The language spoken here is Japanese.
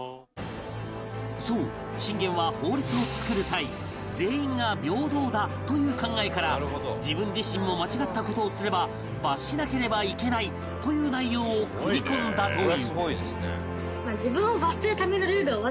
そう信玄は法律を作る際全員が平等だという考えから自分自身も間違った事をすれば罰しなければいけないという内容を組み込んだという